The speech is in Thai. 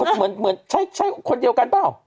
เหมือนใช่คนเดียวกันเปล่า